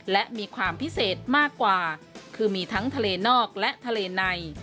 และมีความพิเศษมากกว่าคือมีทั้งทะเลนอกและทะเลใน